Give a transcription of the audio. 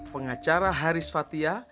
pengacara haris fathia